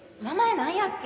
何やっけ